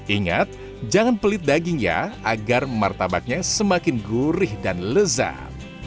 ingat jangan pelit daging ya agar martabaknya semakin gurih dan lezat